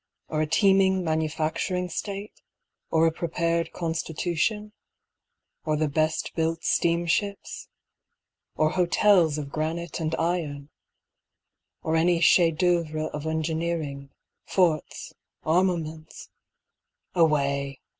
Or a teeming manufacturing state? or a prepared constitution? or the best built steamships? Or hotels of granite and iron? or any chef d'oeuvres of engineering, forts, armaments? Away!